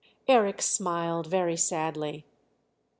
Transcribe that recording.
Eric smiled very sadly.